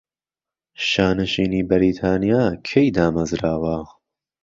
شانشینی بەریتانیا کەی دامەرزاوە؟